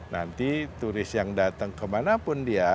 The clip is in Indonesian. nanti turis yang datang kemana pun dia